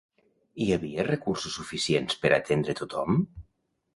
Hi havia recursos suficients per atendre tothom?